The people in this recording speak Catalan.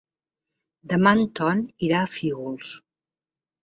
Demà en Ton irà a Fígols.